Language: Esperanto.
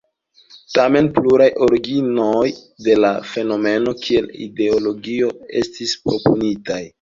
Tamen, pluraj originoj de la fenomeno kiel ideologio estis proponitaj.